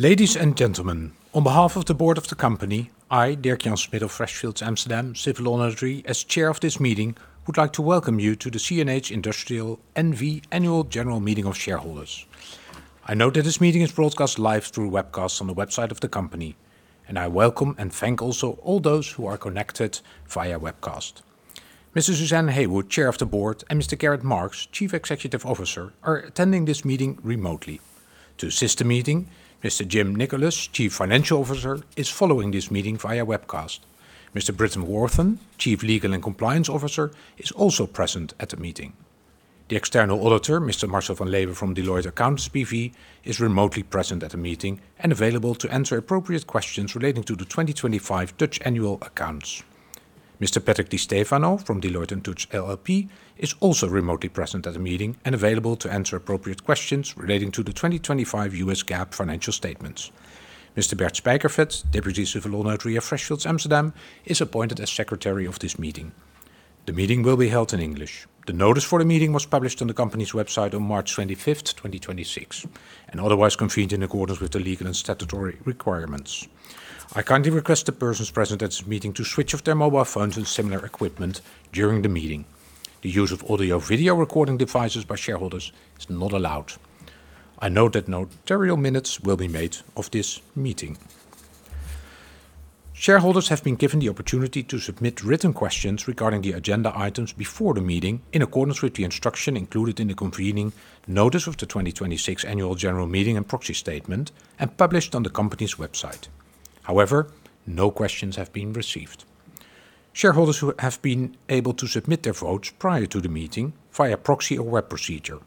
Ladies and gentlemen, on behalf of the Board of the company, I, Dirk-Jan Smit of Freshfields Amsterdam, civil law notary as Chair of this meeting, would like to welcome you to the CNH Industrial N.V. annual general meeting of shareholders. I note that this meeting is broadcast live through webcast on the website of the company, and I welcome and thank also all those who are connected via webcast. Suzanne Heywood, Chair of the Board, and Gerrit Marx, Chief Executive Officer, are attending this meeting remotely. To assist the meeting, Jim Nickolas, Chief Financial Officer, is following this meeting via webcast. Britton Worthen, Chief Legal and Compliance Officer, is also present at the meeting. The external auditor, Mr. Marcel van Leeuwen from Deloitte Accountants B.V., is remotely present at the meeting and available to answer appropriate questions relating to the 2025 Dutch annual accounts. Mr. Patrick J. DiStefano from Deloitte & Touche LLP is also remotely present at the meeting and available to answer appropriate questions relating to the 2025 U.S. GAAP financial statements. Mr. Bert Spijkervet, Deputy Civil Law Notary of Freshfields Amsterdam, is appointed as Secretary of this meeting. The meeting will be held in English. The notice for the meeting was published on the company's website on 25th March 2026, and otherwise convened in accordance with the legal and statutory requirements. I kindly request the persons present at this meeting to switch off their mobile phones and similar equipment during the meeting. The use of audio-video recording devices by shareholders is not allowed. I note that notarial minutes will be made of this meeting. Shareholders have been given the opportunity to submit written questions regarding the agenda items before the meeting in accordance with the instruction included in the convening notice of the 2026 annual general meeting and proxy statement and published on the company's website. However, no questions have been received. Shareholders who have been able to submit their votes prior to the meeting via proxy or web procedure.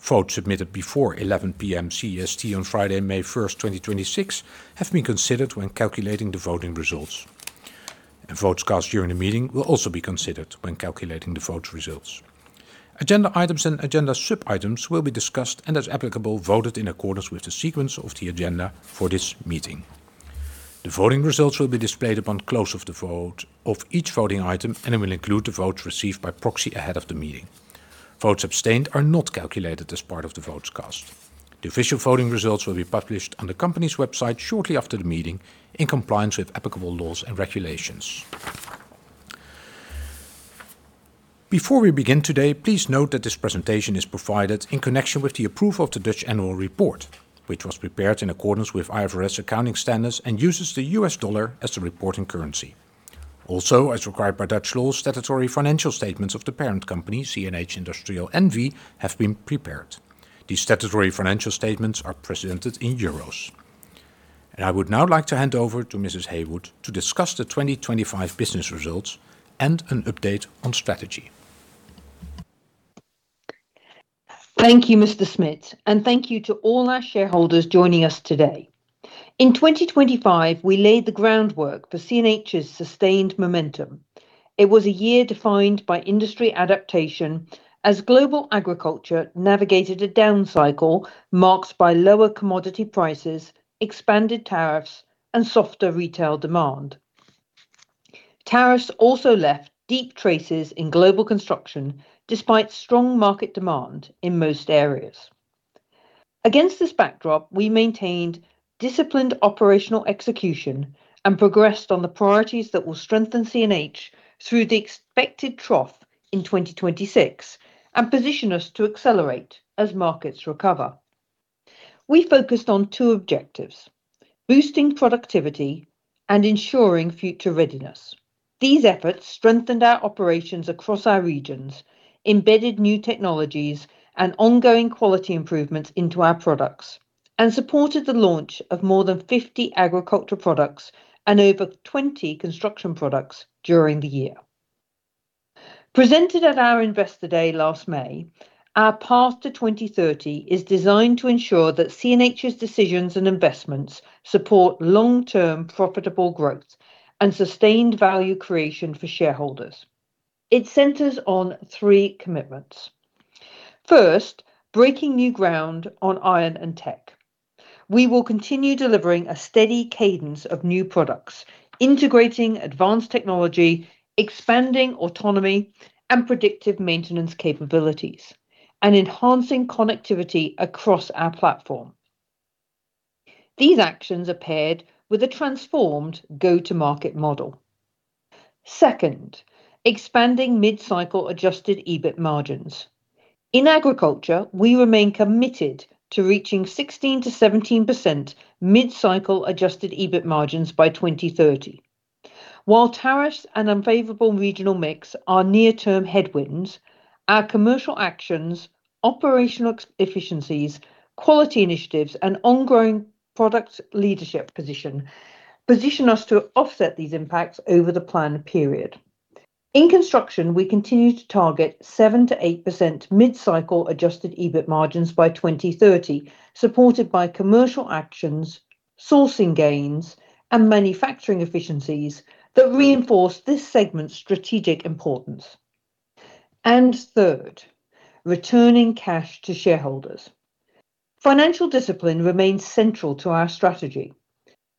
Votes submitted before 11:00 P.M. CEST on Friday, 1 May 2026, have been considered when calculating the voting results. Votes cast during the meeting will also be considered when calculating the vote results. Agenda items and agenda sub-items will be discussed and, as applicable, voted in accordance with the sequence of the agenda for this meeting. The voting results will be displayed upon close of the vote of each voting item, and it will include the votes received by proxy ahead of the meeting. Votes abstained are not calculated as part of the votes cast. The official voting results will be published on the company's website shortly after the meeting in compliance with applicable laws and regulations. Before we begin today, please note that this presentation is provided in connection with the approval of the Dutch annual report, which was prepared in accordance with IFRS accounting standards and uses the U.S. dollar as the reporting currency. Also, as required by Dutch law, statutory financial statements of the parent company, CNH Industrial N.V., have been prepared. These statutory financial statements are presented in euros. I would now like to hand over to Mrs. Heywood to discuss the 2025 business results and an update on strategy. Thank you, Mr. Smit, and thank you to all our shareholders joining us today. In 2025, we laid the groundwork for CNH's sustained momentum. It was a year defined by industry adaptation as global agriculture navigated a down cycle marked by lower commodity prices, expanded tariffs, and softer retail demand. Tariffs also left deep traces in global construction despite strong market demand in most areas. Against this backdrop, we maintained disciplined operational execution and progressed on the priorities that will strengthen CNH through the expected trough in 2026 and position us to accelerate as markets recover. We focused on two objectives: boosting productivity and ensuring future readiness. These efforts strengthened our operations across our regions, embedded new technologies and ongoing quality improvements into our products, and supported the launch of more than 50 agricultural products and over 20 construction products during the year. Presented at our Investor Day last May, our path to 2030 is designed to ensure that CNH's decisions and investments support long-term profitable growth and sustained value creation for shareholders. It centers on three commitments. First, breaking new ground on iron and tech. We will continue delivering a steady cadence of new products, integrating advanced technology, expanding autonomy and predictive maintenance capabilities, and enhancing connectivity across our platform. These actions are paired with a transformed go-to-market model. Second, expanding mid-cycle adjusted EBIT margins. In agriculture, we remain committed to reaching 16%-17% mid-cycle adjusted EBIT margins by 2030. While tariffs and unfavorable regional mix are near-term headwinds, our commercial actions, operational efficiencies, quality initiatives, and ongoing product leadership position us to offset these impacts over the plan period. In construction, we continue to target 7%-8% mid-cycle adjusted EBIT margins by 2030, supported by commercial actions, sourcing gains, and manufacturing efficiencies that reinforce this segment's strategic importance. Third, returning cash to shareholders. Financial discipline remains central to our strategy.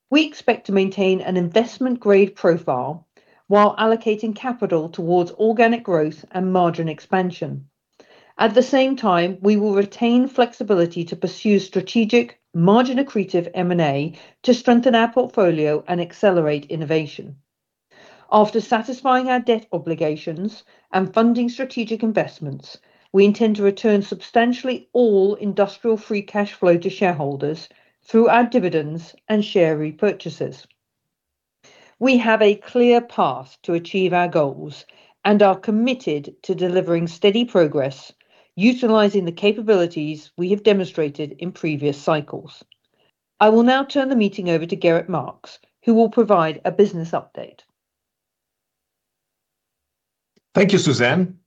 We expect to maintain an investment-grade profile while allocating capital towards organic growth and margin expansion. At the same time, we will retain flexibility to pursue strategic margin-accretive M&A to strengthen our portfolio and accelerate innovation. After satisfying our debt obligations and funding strategic investments, we intend to return substantially all industrial free cash flow to shareholders through our dividends and share repurchases. We have a clear path to achieve our goals and are committed to delivering steady progress, utilizing the capabilities we have demonstrated in previous cycles. I will now turn the meeting over to Gerrit Marx, who will provide a business update. Thank you, Suzanne.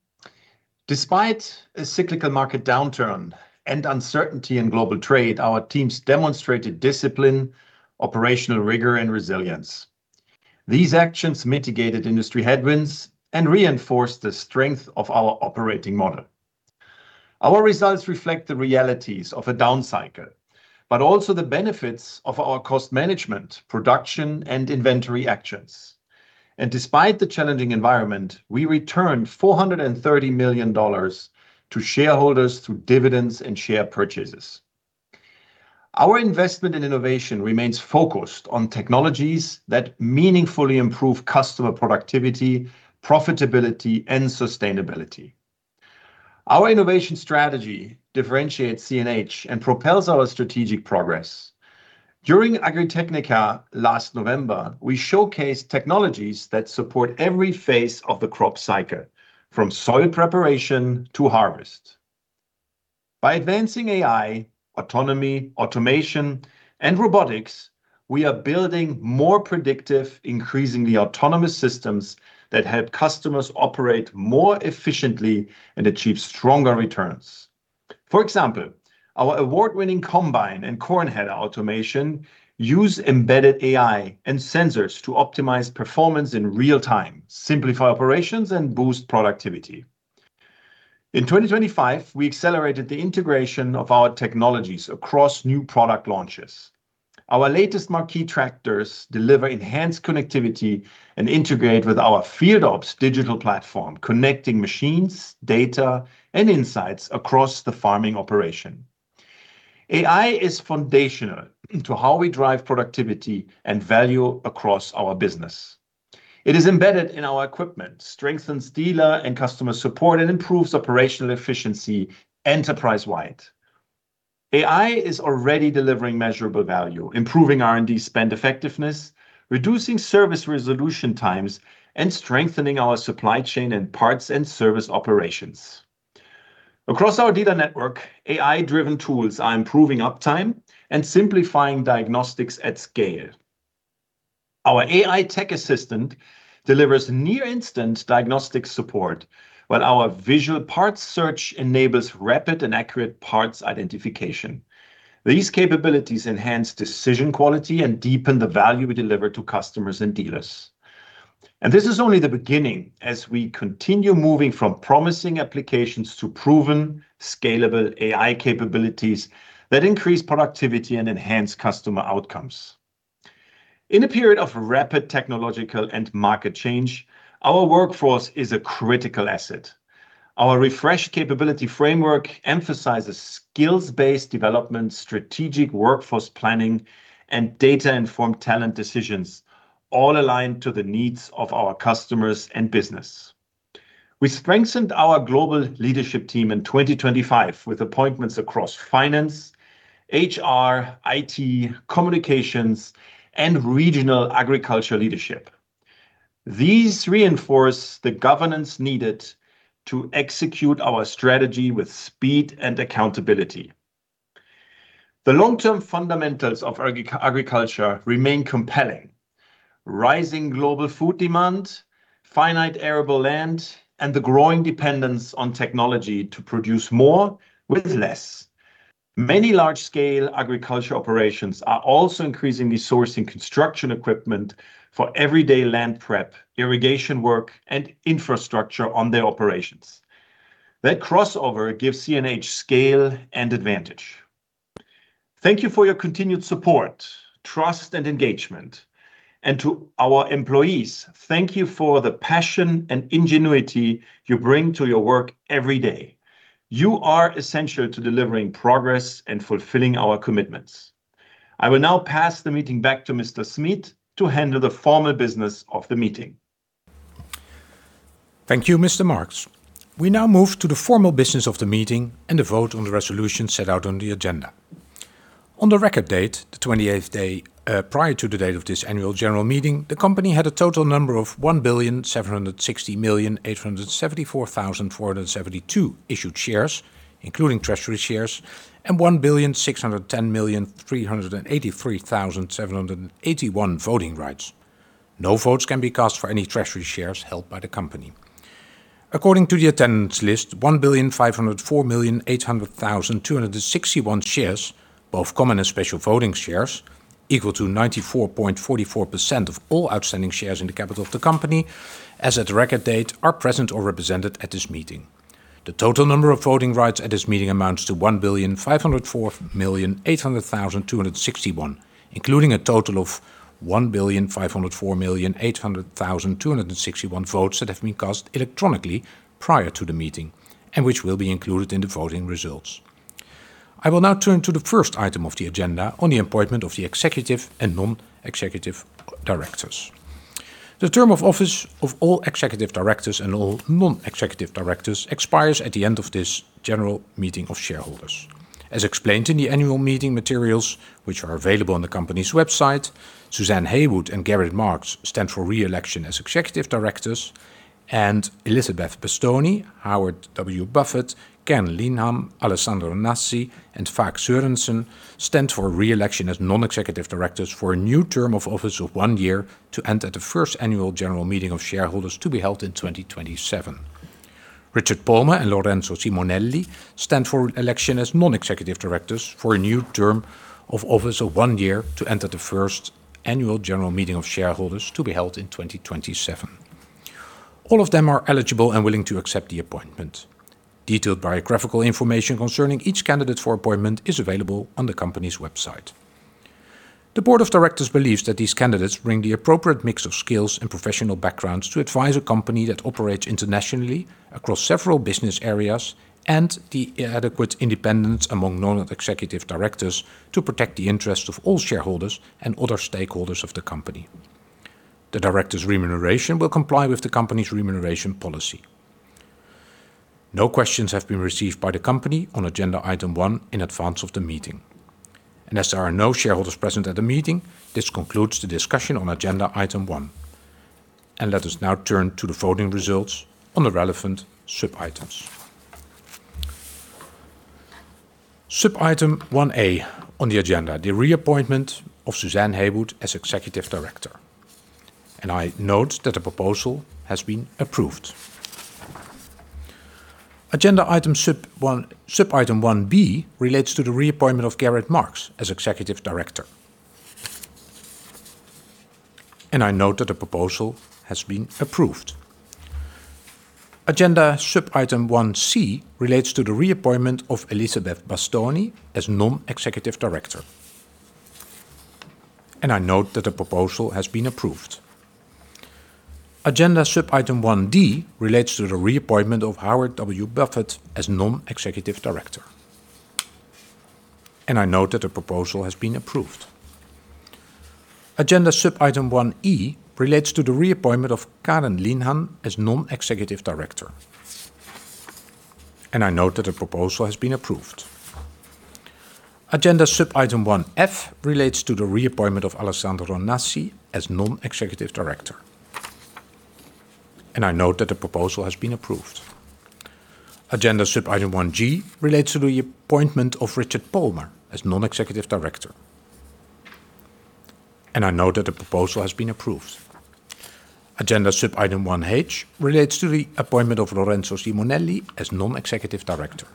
Despite a cyclical market downturn and uncertainty in global trade, our teams demonstrated discipline, operational rigor, and resilience. These actions mitigated industry headwinds and reinforced the strength of our operating model. Our results reflect the realities of a down cycle, but also the benefits of our cost management, production, and inventory actions. Despite the challenging environment, we returned $430 million to shareholders through dividends and share purchases. Our investment in innovation remains focused on technologies that meaningfully improve customer productivity, profitability, and sustainability. Our innovation strategy differentiates CNH and propels our strategic progress. During Agritechnica last November, we showcased technologies that support every phase of the crop cycle, from soil preparation to harvest. By advancing AI, autonomy, automation, and robotics, we are building more predictive, increasingly autonomous systems that help customers operate more efficiently and achieve stronger returns. For example, our award-winning combine and corn head automation use embedded AI and sensors to optimize performance in real time, simplify operations, and boost productivity. In 2025, we accelerated the integration of our technologies across new product launches. Our latest marquee tractors deliver enhanced connectivity and integrate with our FieldOps digital platform, connecting machines, data, and insights across the farming operation. AI is foundational to how we drive productivity and value across our business. It is embedded in our equipment, strengthens dealer and customer support, and improves operational efficiency enterprise-wide. AI is already delivering measurable value, improving R&D spend effectiveness, reducing service resolution times, and strengthening our supply chain and parts and service operations. Across our dealer network, AI-driven tools are improving uptime and simplifying diagnostics at scale. Our AI tech assistant delivers near-instant diagnostic support, while our visual parts search enables rapid and accurate parts identification. These capabilities enhance decision quality and deepen the value we deliver to customers and dealers. This is only the beginning as we continue moving from promising applications to proven scalable AI capabilities that increase productivity and enhance customer outcomes. In a period of rapid technological and market change, our workforce is a critical asset. Our refreshed capability framework emphasizes skills-based development, strategic workforce planning, and data-informed talent decisions, all aligned to the needs of our customers and business. We strengthened our global leadership team in 2025 with appointments across finance, HR, IT, communications, and regional agriculture leadership. These reinforce the governance needed to execute our strategy with speed and accountability. The long-term fundamentals of agriculture remain compelling. Rising global food demand, finite arable land, and the growing dependence on technology to produce more with less. Many large-scale agriculture operations are also increasingly sourcing construction equipment for everyday land prep, irrigation work, and infrastructure on their operations. That crossover gives CNH scale and advantage. Thank you for your continued support, trust, and engagement. To our employees, thank you for the passion and ingenuity you bring to your work every day. You are essential to delivering progress and fulfilling our commitments. I will now pass the meeting back to Mr. Smit to handle the formal business of the meeting. Thank you, Mr. Marx. We now move to the formal business of the meeting and the vote on the resolution set out on the agenda. On the record date, the 28th day, prior to the date of this annual general meeting, the company had a total number of 1,760,874,472 issued shares, including treasury shares, and 1,610,383,781 voting rights. No votes can be cast for any treasury shares held by the company. According to the attendance list, 1,504,800,261 shares, both common and special voting shares, equal to 94.44% of all outstanding shares in the capital of the company, as at the record date, are present or represented at this meeting. The total number of voting rights at this meeting amounts to 1,504,800,261, including a total of 1,504,800,261 votes that have been cast electronically prior to the meeting and which will be included in the voting results. I will now turn to the first item of the agenda on the appointment of the executive and non-executive directors. The term of office of all executive directors and all non-executive directors expires at the end of this general meeting of shareholders. As explained in the annual meeting materials, which are available on the company's website, Suzanne Heywood and Gerrit Marx stand for re-election as executive directors, and Elizabeth Bastoni, Howard W. Buffett, Karen Linehan, Alessandro Nasi, and Vagn Sørensen stand for re-election as non-executive directors for a new term of office of one year to end at the first annual general meeting of shareholders to be held in 2027. Richard Palmer and Lorenzo Simonelli stand for election as non-executive directors for a new term of office of one year to end at the first annual general meeting of shareholders to be held in 2027. All of them are eligible and willing to accept the appointment. Detailed biographical information concerning each candidate for appointment is available on the company's website. The board of directors believes that these candidates bring the appropriate mix of skills and professional backgrounds to advise a company that operates internationally across several business areas and the adequate independence among non-executive directors to protect the interests of all shareholders and other stakeholders of the company. The director's remuneration will comply with the company's remuneration policy. No questions have been received by the company on agenda item one in advance of the meeting. As there are no shareholders present at the meeting, this concludes the discussion on agenda item 1. Let us now turn to the voting results on the relevant sub-items. Sub-item 1 A on the agenda, the reappointment of Suzanne Heywood as Executive Director. I note that the proposal has been approved. Agenda item sub-item one B relates to the reappointment of Gerrit Marx as Executive Director. I note that the proposal has been approved. Agenda sub-item one C relates to the reappointment of Elizabeth Bastoni as Non-Executive Director. I note that the proposal has been approved. Agenda sub-item one D relates to the reappointment of Howard W. Buffett as Non-Executive Director. I note that the proposal has been approved. Agenda sub-item one E relates to the reappointment of Karen Linehan as Non-Executive Director. I note that the proposal has been approved. Agenda sub-item one F relates to the reappointment of Alessandro Nasi as Non-Executive Director. I note that the proposal has been approved. Agenda sub-item one G relates to the appointment of Richard Palmer as Non-Executive Director. I note that the proposal has been approved. Agenda sub-item 1H relates to the appointment of Lorenzo Simonelli as Non-Executive Director.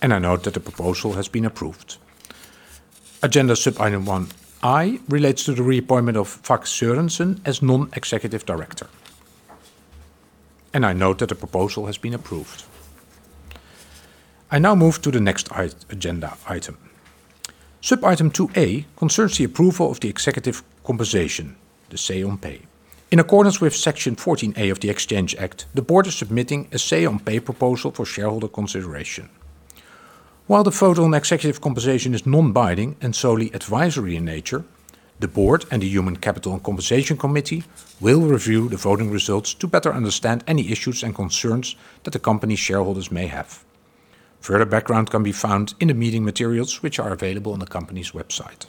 I note that the proposal has been approved. Agenda sub-item 1I relates to the reappointment of Vagn Sørensen as Non-Executive Director. I note that the proposal has been approved. I now move to the next agenda item. Sub-item 2A concerns the approval of the executive compensation, the say on pay. In accordance with Section 14A of the Exchange Act, the board is submitting a say on pay proposal for shareholder consideration. While the vote on executive compensation is non-binding and solely advisory in nature, the board and the Human Capital and Compensation Committee will review the voting results to better understand any issues and concerns that the company's shareholders may have. Further background can be found in the meeting materials, which are available on the company's website.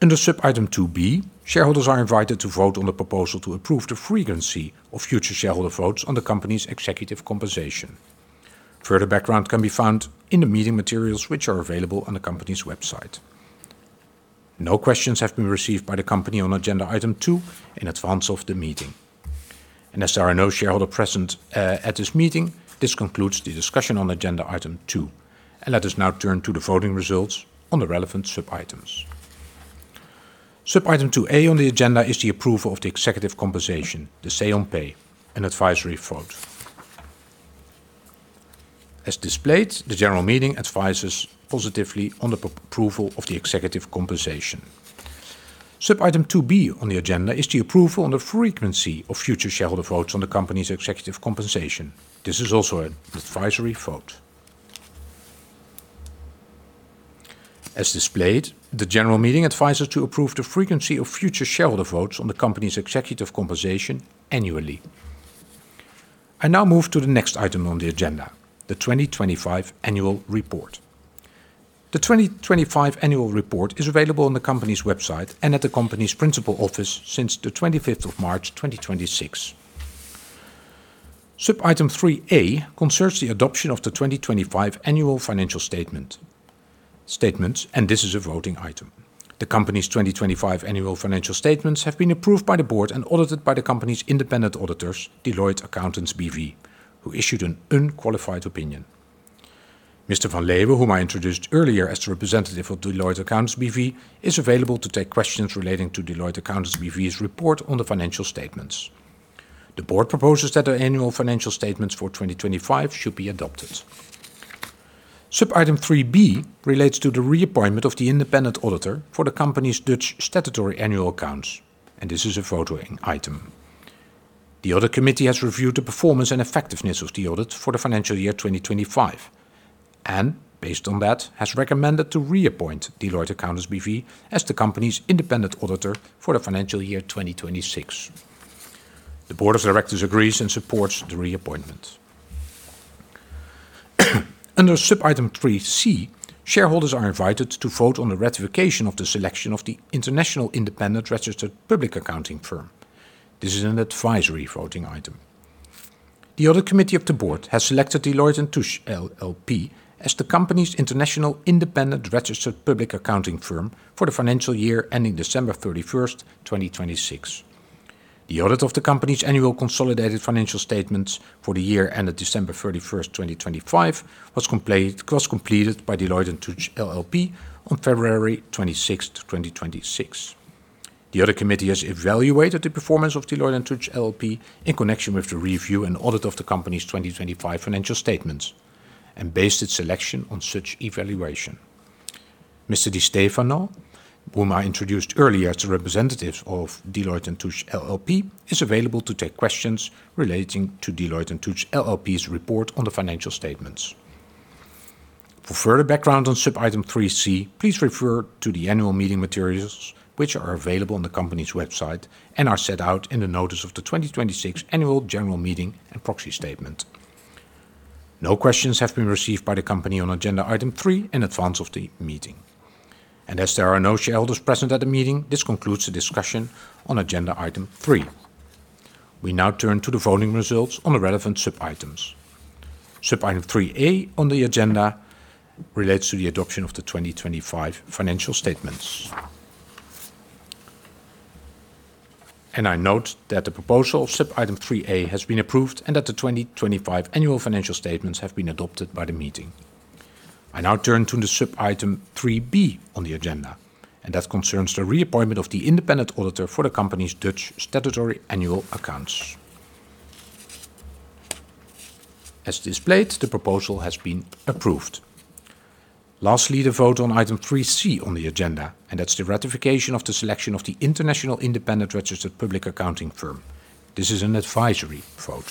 Under sub-item 2 B, shareholders are invited to vote on the proposal to approve the frequency of future shareholder votes on the company's executive compensation. Further background can be found in the meeting materials, which are available on the company's website. No questions have been received by the company on agenda item two in advance of the meeting. As there are no shareholder present at this meeting, this concludes the discussion on agenda item two. Let us now turn to the voting results on the relevant sub-items. Sub-item 2 A on the agenda is the approval of the executive compensation, the say on pay, an advisory vote. As displayed, the general meeting advises positively on the approval of the executive compensation. Sub-item 2 B on the agenda is the approval on the frequency of future shareholder votes on the company's executive compensation. This is also an advisory vote. As displayed, the general meeting advises to approve the frequency of future shareholder votes on the company's executive compensation annually. I now move to the next item on the agenda, the 2025 annual report. The 2025 annual report is available on the company's website and at the company's principal office since the 25th of March, 2026. Sub-item 3A concerns the adoption of the 2025 annual financial statements, and this is a voting item. The company's 2025 annual financial statements have been approved by the board and audited by the company's independent auditors, Deloitte Accountants B.V., who issued an unqualified opinion. Mr. Van Leeuwen, whom I introduced earlier as the representative of Deloitte Accountants B.V., is available to take questions relating to Deloitte Accountants B.V.'s report on the financial statements. The board proposes that our annual financial statements for 2025 should be adopted. Sub item 3B relates to the reappointment of the independent auditor for the company's Dutch statutory annual accounts, and this is a voting item. The Audit Committee has reviewed the performance and effectiveness of the audit for the financial year 2025, and based on that, has recommended to reappoint Deloitte Accountants B.V. as the company's independent auditor for the financial year 2026. The Board of Directors agrees and supports the reappointment. Under sub item 3C, shareholders are invited to vote on the ratification of the selection of the international independent registered public accounting firm. This is an advisory voting item. The Audit Committee of the Board has selected Deloitte & Touche LLP as the company's international independent registered public accounting firm for the financial year ending 31 December 2026. The audit of the company's annual consolidated financial statements for the year ended 31st December 2025 was completed by Deloitte & Touche LLP on 26th February 2026. The Audit Committee has evaluated the performance of Deloitte & Touche LLP in connection with the review and audit of the company's 2025 financial statements and based its selection on such evaluation. Mr. DiStefano, whom I introduced earlier to representatives of Deloitte & Touche LLP, is available to take questions relating to Deloitte & Touche LLP's report on the financial statements. For further background on sub item 3C, please refer to the annual meeting materials, which are available on the company's website and are set out in the notice of the 2026 Annual General Meeting and proxy statement. No questions have been received by the company on agenda item 3 in advance of the meeting. As there are no shareholders present at the meeting, this concludes the discussion on agenda item 3. We now turn to the voting results on the relevant sub items. Sub item 3 A on the agenda relates to the adoption of the 2025 financial statements. I note that the proposal of sub item 3 A has been approved and that the 2025 annual financial statements have been adopted by the meeting. I now turn to the sub item 3 B on the agenda, and that concerns the reappointment of the independent auditor for the company's Dutch statutory annual accounts. As displayed, the proposal has been approved. Lastly, the vote on item 3 C on the agenda, and that's the ratification of the selection of the international independent registered public accounting firm. This is an advisory vote.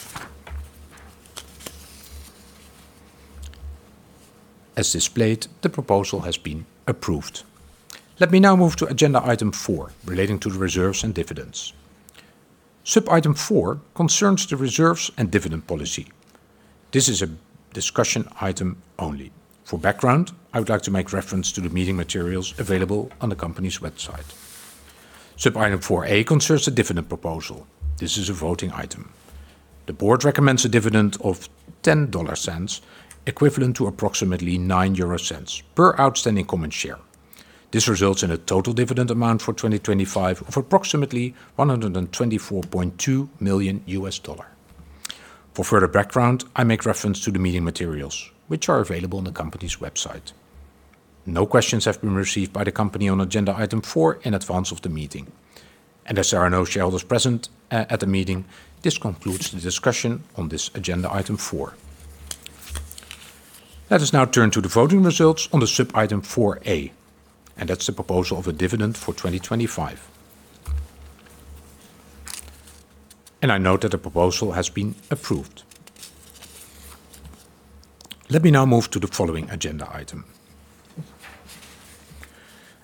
As displayed, the proposal has been approved. Let me now move to agenda item 4 relating to the reserves and dividends. Sub item 4 concerns the reserves and dividend policy. This is a discussion item only. For background, I would like to make reference to the meeting materials available on the company's website. Sub item 4A concerns the dividend proposal. This is a voting item. The board recommends a dividend of $0.10, equivalent to approximately 0.09 per outstanding common share. This results in a total dividend amount for 2025 of approximately $124.2 million. For further background, I make reference to the meeting materials which are available on the company's website. No questions have been received by the company on agenda item four in advance of the meeting. As there are no shareholders present at the meeting, this concludes the discussion on this agenda item four. Let us now turn to the voting results on the sub item 4 A, and that's the proposal of a dividend for 2025. I note that the proposal has been approved. Let me now move to the following agenda item.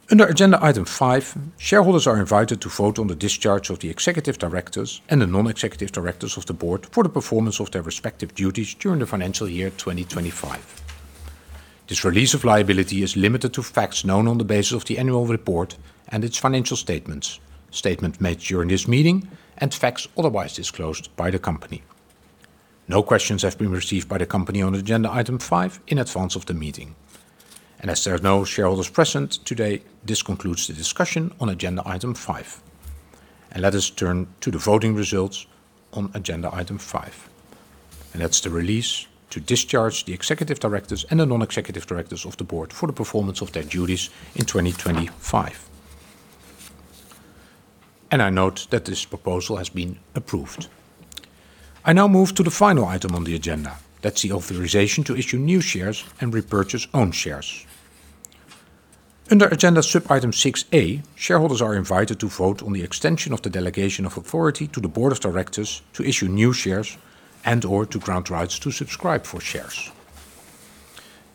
Under agenda item five, shareholders are invited to vote on the discharge of the executive directors and the non-executive directors of the board for the performance of their respective duties during the financial year 2025. This release of liability is limited to facts known on the basis of the annual report and its financial statements made during this meeting, and facts otherwise disclosed by the company. No questions have been received by the company on agenda item five in advance of the meeting. As there are no shareholders present today, this concludes the discussion on agenda item 5. Let us turn to the voting results on agenda item five, and that's the release to discharge the executive directors and the non-executive directors of the Board for the performance of their duties in 2025. I note that this proposal has been approved. I now move to the final item on the agenda. That's the authorization to issue new shares and repurchase own shares. Under agenda sub item 6A, shareholders are invited to vote on the extension of the delegation of authority to the Board of Directors to issue new shares and/or to grant rights to subscribe for shares.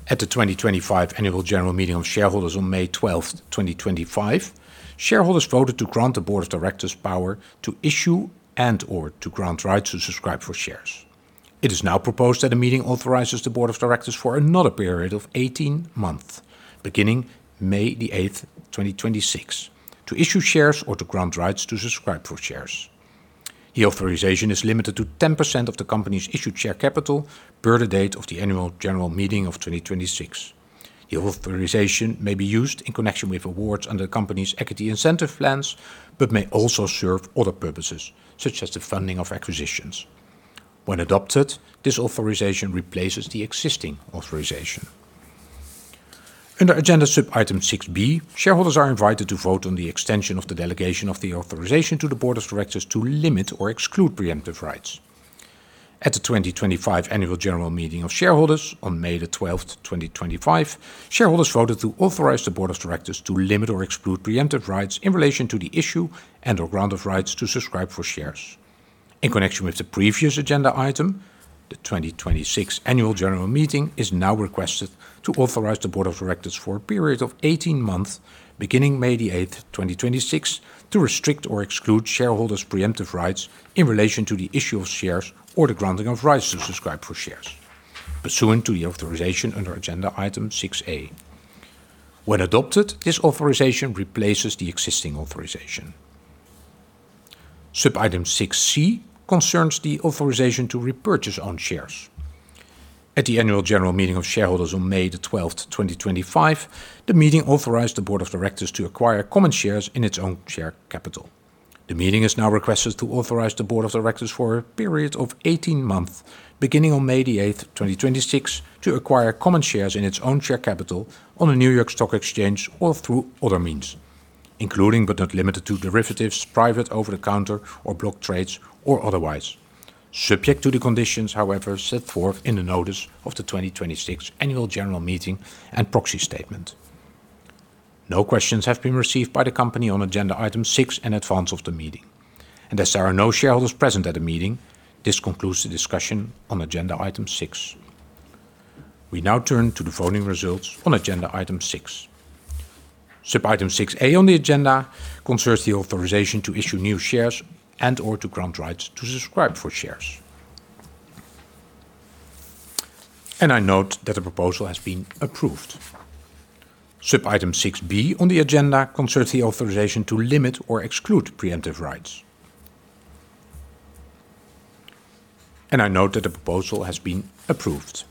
At the 2025 Annual General Meeting of Shareholders on May 12, 2025, shareholders voted to grant the Board of Directors power to issue and/or to grant rights to subscribe for shares. It is now proposed that a meeting authorizes the Board of Directors for another period of 18 months, beginning 8 May 2026, to issue shares or to grant rights to subscribe for shares. The authorization is limited to 10% of the company's issued share capital per the date of the Annual General Meeting of 2026. The authorization may be used in connection with awards under the company's equity incentive plans, but may also serve other purposes, such as the funding of acquisitions. When adopted, this authorization replaces the existing authorization. Under agenda sub item 6 B, shareholders are invited to vote on the extension of the delegation of the authorization to the Board of Directors to limit or exclude preemptive rights. At the 2025 Annual General Meeting of Shareholders on 12th May 2025, shareholders voted to authorize the Board of Directors to limit or exclude preemptive rights in relation to the issue and/or grant of rights to subscribe for shares. In connection with the previous agenda item, the 2026 Annual General Meeting is now requested to authorize the Board of Directors for a period of 18 months beginning 8th May 2026, to restrict or exclude shareholders preemptive rights in relation to the issue of shares or the granting of rights to subscribe for shares pursuant to the authorization under agenda item 6 A. When adopted, this authorization replaces the existing authorization. Sub item 6 C concerns the authorization to repurchase own shares. At the Annual General Meeting of Shareholders on 12 May 2025, the meeting authorized the Board of Directors to acquire common shares in its own share capital. The meeting is now requested to authorize the Board of Directors for a period of 18 months beginning on 8 May 2026, to acquire common shares in its own share capital on the New York Stock Exchange or through other means, including but not limited to derivatives, private over-the-counter or block trades, or otherwise, subject to the conditions, however, set forth in the notice of the 2026 Annual General Meeting and proxy statement. No questions have been received by the company on agenda item 6 in advance of the meeting. As there are no shareholders present at the meeting, this concludes the discussion on agenda item six. We now turn to the voting results on agenda item six. Sub item six A on the agenda concerns the authorization to issue new shares and/or to grant rights to subscribe for shares. I note that the proposal has been approved. Sub item six B on the agenda concerns the authorization to limit or exclude preemptive rights. I note that the proposal has been approved.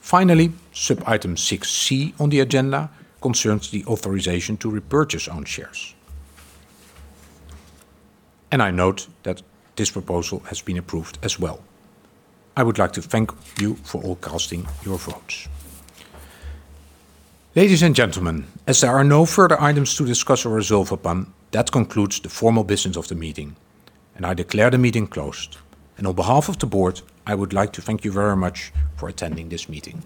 Finally, sub item six C on the agenda concerns the authorization to repurchase own shares. I note that this proposal has been approved as well. I would like to thank you for all casting your votes. Ladies and gentlemen, as there are no further items to discuss or resolve upon, that concludes the formal business of the meeting, and I declare the meeting closed. On behalf of the Board, I would like to thank you very much for attending this meeting.